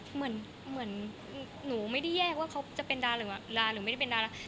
เหมือนหนูไม่ได้แยกว่าเขาจะเป็นดาหรือว่าดาหรือไม่ได้เป็นดารา